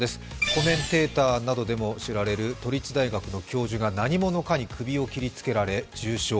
コメンテーターなどでも知られる都立大学の教授が何者かに首を切りつけられ重傷。